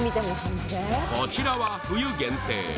こちらは冬限定